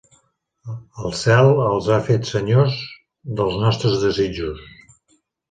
El cel els ha fet senyors dels nostres desitjos